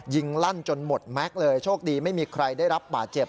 ลั่นจนหมดแม็กซ์เลยโชคดีไม่มีใครได้รับบาดเจ็บ